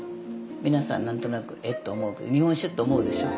皆さん何となくえっと思うけど日本酒って思うでしょ？